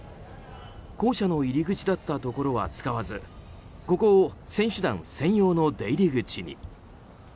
校舎の入り口だったところは使わずここを選手団専用の出入り口に。